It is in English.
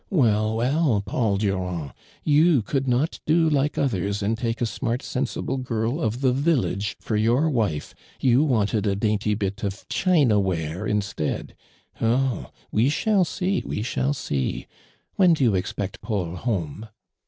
Well, well, Paul Durand, you could not do like others and take a smart sensible girl of the village for your wife, you wantetl a dainty bit of chinaware in stead. Oh ! we shall see, we shall see. When do you expect Paul home?"